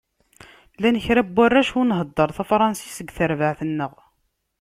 Llan kra n warrac ur nhedder tafransist deg terbaεt-nneɣ.